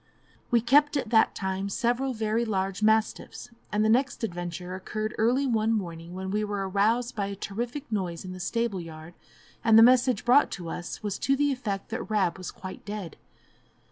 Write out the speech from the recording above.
We kept at that time several very large mastiffs, and the next adventure occurred early one morning, when we were aroused by a terrific noise in the stable yard, and the message brought to us was to the effect that Rab was quite dead.